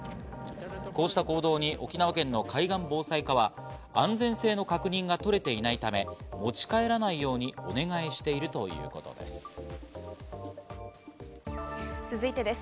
こうした行動に沖縄県の海岸防災課は、安全性の確認が取れていないため、持ち帰らないようにお願いしているということです。